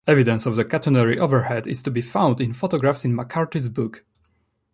Evidence of the catenary overhead is to be found in photographs in McCarthy's book.